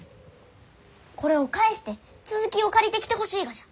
これを返して続きを借りてきてほしいがじゃ。